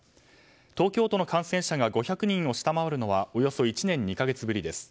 東京都の感染者が５００人を下回るのはおよそ１年２か月ぶりです。